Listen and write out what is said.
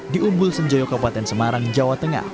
di umbul senjoyo kabupaten semarang jawa tengah